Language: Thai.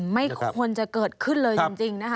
ไม่ควรจะเกิดขึ้นเลยจริงนะคะ